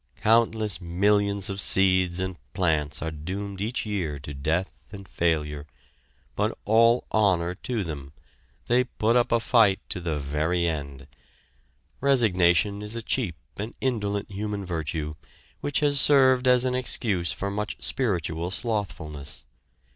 Countless millions of seeds and plants are doomed each year to death and failure, but all honor to them they put up a fight to the very end! Resignation is a cheap and indolent human virtue, which has served as an excuse for much spiritual slothfulness.